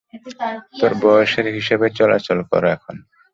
তোর বয়সের হিসাবে চলাচল কর, এখন।